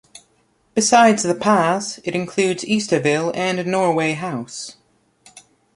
Besides The Pas, it also includes Easterville and Norway House.